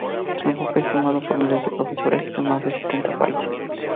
Su enfoque es tomado por miles de profesores en más de sesenta países.